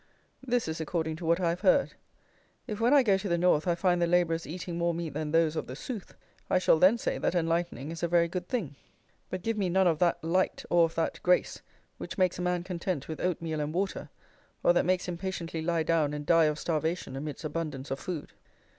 This is according to what I have heard. If, when I go to the North, I find the labourers eating more meat than those of the "Sooth," I shall then say that "enlightening" is a very good thing; but give me none of that "light," or of that "grace," which makes a man content with oatmeal and water, or that makes him patiently lie down and die of starvation amidst abundance of food.